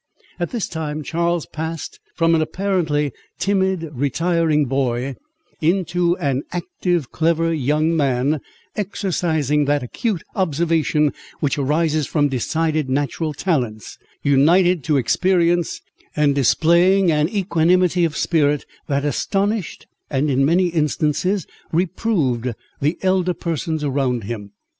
At this time, Charles passed from an apparently timid, retiring boy, into an active, clever young man, exercising that acute observation which arises from decided natural talents, united to experience, and displaying an equanimity of spirit, that astonished, and, in many instances, reproved the elder persons around him.